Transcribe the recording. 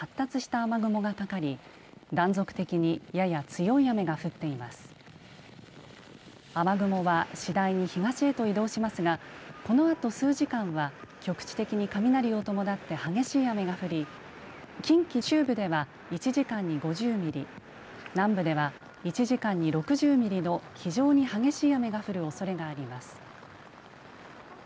雨雲はしだいに東へと移動しますがこのあと数時間は局地的に雷を伴って激しい雨が降り近畿中部では１時間に５０ミリ南部では１時間に６０ミリの非常に激しい雨が降るおそれがあります。